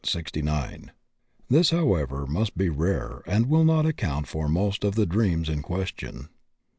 35, 69]; this, however, must be rare, and will not account for most of the dreams in question.)